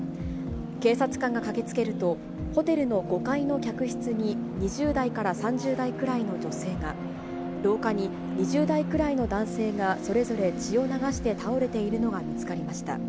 警察官が駆けつけると、ホテルの５階の客室に２０代から３０代くらいの女性が、廊下に２０代くらいの男性が、それぞれ血を流して倒れているのが見つかりました。